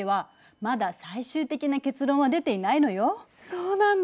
そうなんだ。